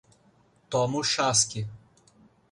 Toma o chasque